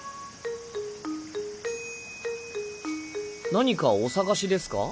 何かお探しですか？